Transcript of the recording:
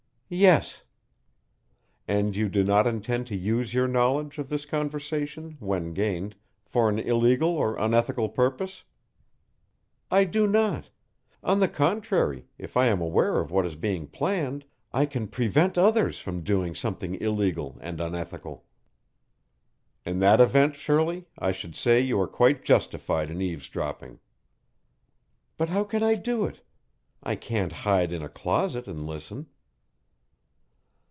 "Yes." "And you do not intend to use your knowledge of this conversation, when gained, for an illegal or unethical purpose?" "I do not. On the contrary, if I am aware of what is being planned, I can prevent others from doing something illegal and unethical." "In that event, Shirley, I should say you are quite justified in eavesdropping." "But how can I do it? I can't hide in a closet and listen."